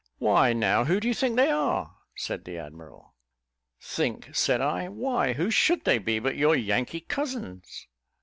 "Why, now, who do you think they are?" said the admiral. "Think!" said I, "why, who should they be but your Yankee cousins?"